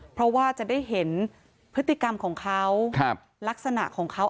เพราะว่าจะได้เห็นพฤติกรรมของเขาครับลักษณะของเขา